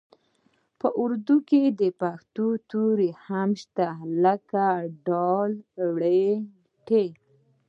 په اردو کې د پښتو توري هم شته لکه ډ ړ ټ